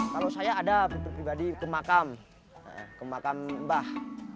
kalau saya ada pribadi kemakam kemakam mbah